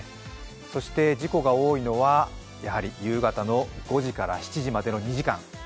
そして事故が多いのはやはり夕方の５時から７時までの２時間。